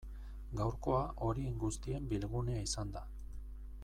Gaurkoa horien guztien bilgunea izan da.